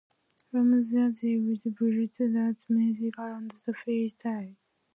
From there they would "build" the music around the freestyle.